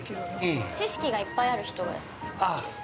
◆知識がいっぱいある人が好きです。